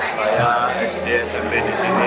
saya sd smp di sini